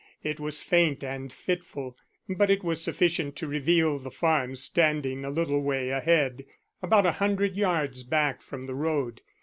It was faint and fitful, but it was sufficient to reveal the farm standing a little way ahead, about a hundred yards back from the road.